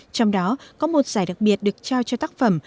trong đó có một giải đặc biệt được trao cho tác phẩm